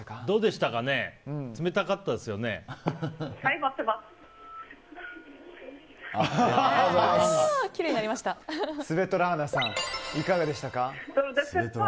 どうでしたかね。